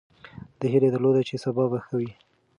ده هیله درلوده چې سبا به ښه وي.